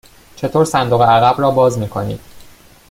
چطور صندوق عقب را باز می کنید؟